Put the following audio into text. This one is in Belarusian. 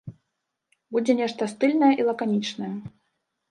Будзе нешта стыльнае і лаканічнае.